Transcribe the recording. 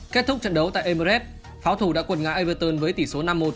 kết thúc trận đấu tại emerest pháo thủ đã quần ngã everton với tỷ số năm một